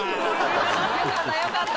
よかったよかった。